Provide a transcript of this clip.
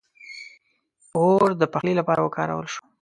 • اور د پخلي لپاره وکارول شو.